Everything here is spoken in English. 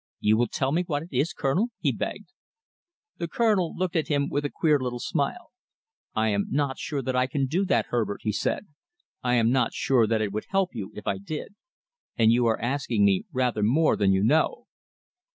"You will tell me what it is, Colonel?" he begged. The Colonel looked at him with a queer little smile. "I am not sure that I can do that, Herbert," he said. "I am not sure that it would help you if I did. And you are asking me rather more than you know."